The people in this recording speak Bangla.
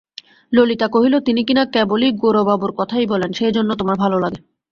ললিতা কহিল, তিনি কিনা কেবলই গৌরবাবুর কথাই বলেন, সেইজন্য তোমার ভালো লাগে।